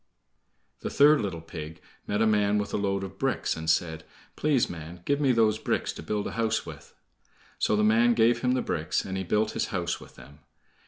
The third little pig met a man with a load of bricks, and said: "Please, man, give me those bricks to build a house with." So the man gave him the bricks, and he built his house with them.